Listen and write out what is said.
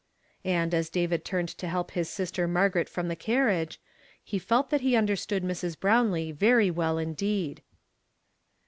And, as David turned to help his sister Margaret from the carriage, he felt that he under stood Mi s. Brownlee very well indeed.